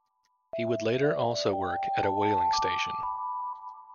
He would later also work at a whaling station.